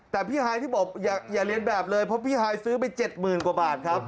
แต่พี่ฮายที่บอกอย่าเรียนแบบเลยเพราะพี่ฮายซื้อไป๗๐๐กว่าบาทครับ